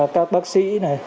các bác sĩ